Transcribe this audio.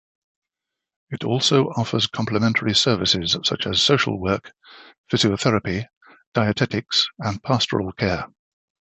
It also offers complementary services such as social work, physiotherapy, dietetics and pastoral care.